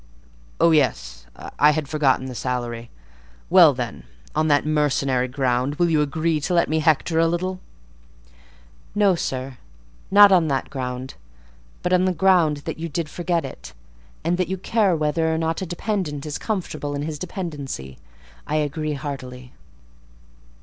Oh yes, I had forgotten the salary! Well then, on that mercenary ground, will you agree to let me hector a little?" "No, sir, not on that ground; but, on the ground that you did forget it, and that you care whether or not a dependent is comfortable in his dependency, I agree heartily."